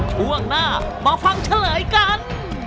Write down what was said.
ช่วงหน้ามาฟังเฉลยกัน